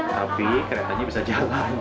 tapi keretanya bisa jalan